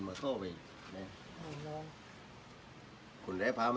น้ำปลาบึกกับซ่าหมกปลาร่า